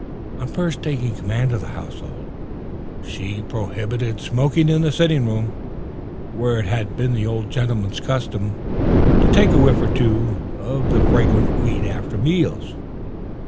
On first taking command of the household, she prohibited smoking in the sitting room, where it had been the old gentleman's custom to take a whiff or two of the fragrant weed after meals.